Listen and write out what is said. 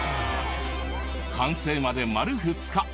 完成まで丸２日。